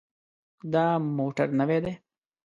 دا موټر نوی دی.